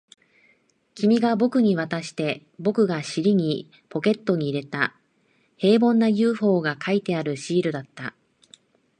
君が僕に渡して、僕が尻にポケットに入れた、平凡な ＵＦＯ が描いてあるシールだった